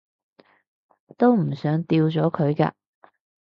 都唔想掉咗佢㗎